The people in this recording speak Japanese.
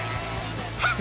はっ！